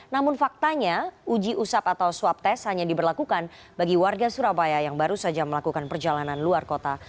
namun faktanya uji usap atau swab test hanya diberlakukan bagi warga surabaya yang baru saja melakukan perjalanan luar kota